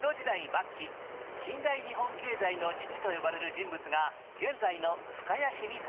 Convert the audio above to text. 末期近代日本経済の父と呼ばれる人物が現在の深谷市に誕生